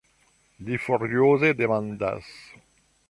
Li furioze demandas.